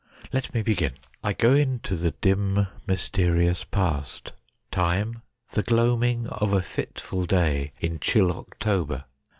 Let me begin. I go into the dim, mysterious past. Time : The gloaming of a fitful day in chill October.